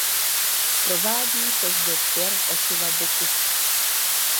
Provádí se zde sběr osiva buku.